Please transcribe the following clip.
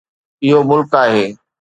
اهو ملڪ آهي.